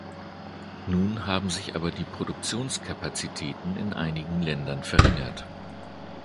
Nun haben sich aber die Produktionskapazitäten in einigen Ländern verringert.